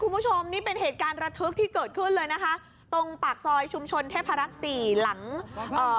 คุณผู้ชมนี่เป็นเหตุการณ์ระทึกที่เกิดขึ้นเลยนะคะตรงปากซอยชุมชนเทพรักษ์สี่หลังเอ่อ